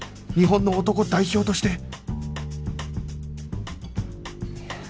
日本の男代表として